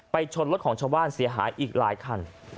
ชนรถของชาวบ้านเสียหายอีกหลายคัน